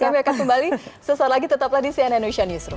kami akan kembali sesuai lagi tetap lagi di cnn nation newsroom